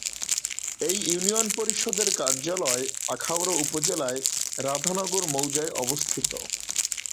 এই ইউনিয়ন পরিষদের কার্যালয় আখাউড়া উপজেলা'য় রাধানগর মৌজায় অবস্থিত।